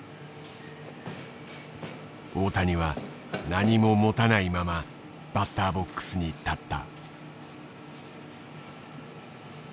大谷は何も持たないままバッターボックスに立った。